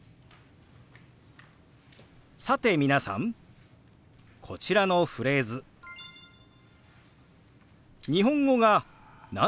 さて皆さんこちらのフレーズ日本語が「何人家族なの？」